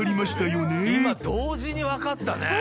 今同時に分かったね。